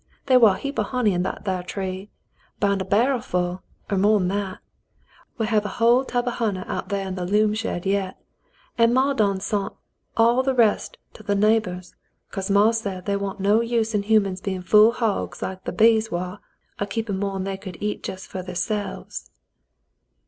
They war a heap o' honey in that thar tree, 'bout a bar'l full, er more'n that. We hev a hull tub o' honey out thar in th' loom shed yet, an' maw done sont all th' rest to th' neighbors, 'cause maw said they wa'n't no use in humans bein' fool hogs like th' bees war, a keepin' more'n they could eat jes' fer therselves."